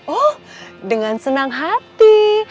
oh dengan senang hati